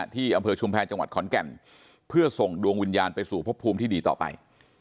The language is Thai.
ที่อำเภอชุมแพรจังหวัดขอนแก่นเพื่อส่งดวงวิญญาณไปสู่พบภูมิที่ดีต่อไป